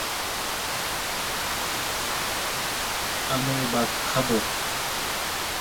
শিক্ষার্থীরা সেবামূলক বিভিন্ন কাজে অংশ নেয়।